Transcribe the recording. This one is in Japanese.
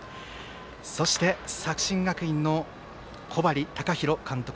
そして、作新学院の小針崇宏監督。